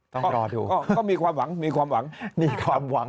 ต้องรอดูก็มีความหวังมีความหวังมีความหวัง